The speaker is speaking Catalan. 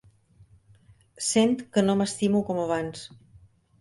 Sent que no m'estimo com abans.